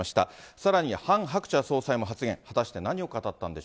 さらにハン・ハクチャ総裁も発言。